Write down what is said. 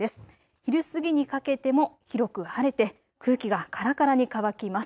昼過ぎにかけても広く晴れて空気がからからに乾きます。